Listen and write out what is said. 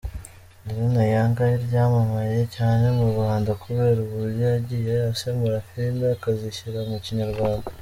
Izina Younger ryamamaye cyane mu Rwanda kubera uburyo yagiye asemura film akazishyira mu Kinyarwanda.